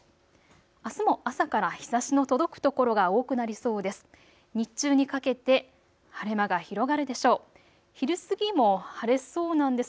あすも朝から日ざしの届く所が多くなりそうです。